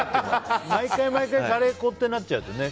毎回、毎回カレー粉ってなっちゃうとね。